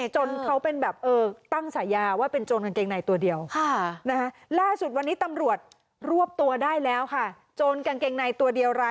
จนเขาเป็นแบบตั้งสายาว่าเป็นโจรกางเกงในตัวเดียว